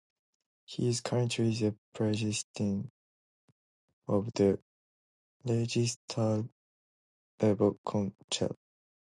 He is currently the President of the Legislative Council.